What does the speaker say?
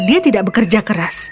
dia tidak bekerja keras